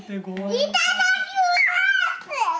いただきます！